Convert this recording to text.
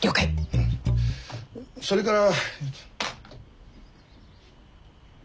うんそれから。